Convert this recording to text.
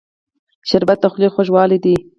شربت د خولې خوږوالی دی